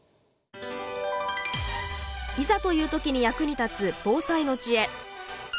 いざという時に役に立つ防災の知恵。